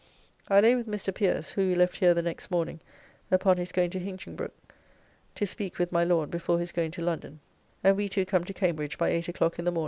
I lay with Mr. Pierce, who we left here the next morning upon his going to Hinchingbroke to speak with my Lord before his going to London, and we two come to Cambridge by eight o'clock in the morning.